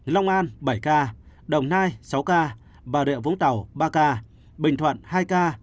long an bảy ca đồng nai sáu ca bà rịa vũng tàu ba ca bình thuận hai ca